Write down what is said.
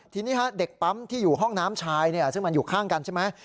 ทีนี้เด็กปั๊มที่อยู่ห้องน้ำชายซึ่งมันอยู่ข้างกันใช่ไหม